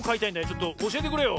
ちょっとおしえてくれよ。